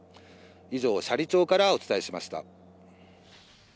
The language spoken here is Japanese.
以上、斜里町からお伝えしました。